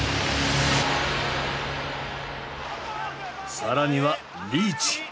更にはリーチ。